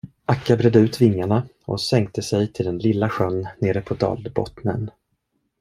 Akka bredde ut vingarna och sänkte sig till den lilla sjön nere på dalbottnen.